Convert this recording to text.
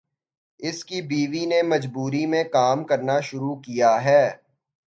اس کی بیوی نے مجبوری میں کام کرنا شروع کیا ہے۔